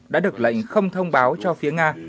đã được lệnh không thông báo cho phía nga